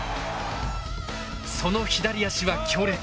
その左足は強烈。